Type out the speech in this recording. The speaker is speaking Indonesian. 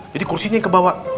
jadi kursinya kebawah